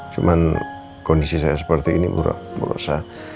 cuma kondisi saya seperti ini bu rosa